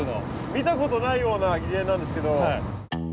見たことないような疑似餌なんですけど。